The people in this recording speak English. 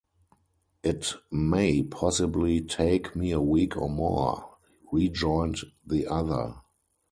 "It may possibly take me a week or more," rejoined the other.